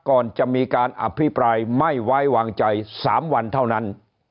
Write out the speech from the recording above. ก่อนจะมีการอภิปรายไม่ไว้วางใจ๓วันเท่านั้น